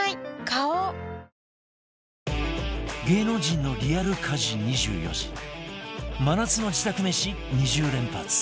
花王芸能人のリアル家事２４時真夏の自宅めし２０連発！